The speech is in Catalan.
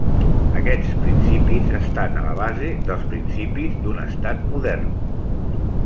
Aquests principis estan a la base dels principis d'un Estat modern.